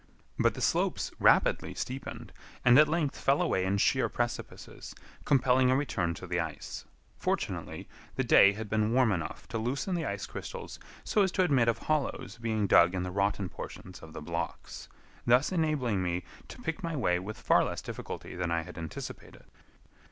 But the slopes rapidly steepened and at length fell away in sheer precipices, compelling a return to the ice. Fortunately, the day had been warm enough to loosen the ice crystals so as to admit of hollows being dug in the rotten portions of the blocks, thus enabling me to pick my way with far less difficulty than I had anticipated.